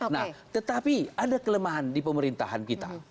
nah tetapi ada kelemahan di pemerintahan kita